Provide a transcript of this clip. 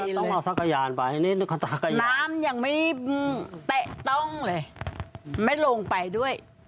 ต้องเอาสักยานไปน้ำยังมัีแตะต้องเลยก็ไม่ลงไปด้วย